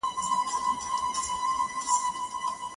را رسوا مي جانان نه کړې چي نن شپه ماته راځینه!.